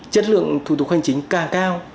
chất lượng thủ tục hoàn chính càng cao